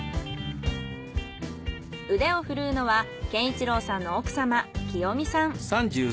腕を振るうのは健一郎さんの奥様清美さん。